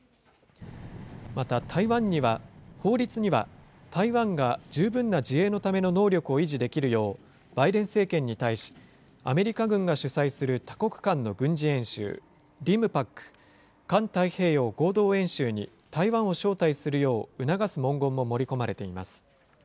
また法律には、台湾が十分な自衛のための能力を維持できるよう、バイデン政権に対し、アメリカ軍が主催する多国間の軍事演習、リムパック・環太平洋合同演習に台湾を招待するよう促す文言も盛り込まれています。